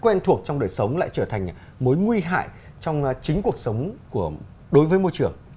quen thuộc trong đời sống lại trở thành mối nguy hại trong chính cuộc sống đối với môi trường